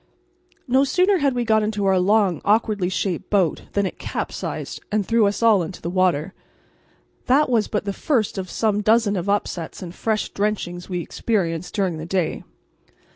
No sooner had we got into our long, awkwardly shaped boat than it capsized and threw us all into the water; that was but the first of some dozens of upsets and fresh drenchings we experienced during the day.